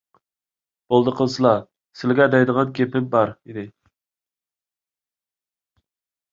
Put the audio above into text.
بولدى قىلسىلا، سىلىگە دەيدىغان گېپىم بار ئىدى.